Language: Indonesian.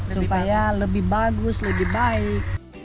supaya lebih bagus lebih baik